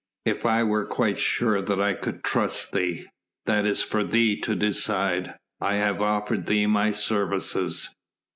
"If I were quite sure that I could trust thee...." "That is for thee to decide. I have offered thee my services